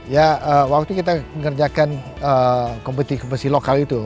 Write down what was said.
ya waktu kita mengerjakan kompetisi kompetisi lokal itu